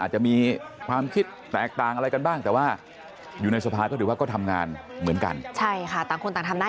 ใช่ค่ะต่างคนต่างทำหน้าที่อ่ะเนาะ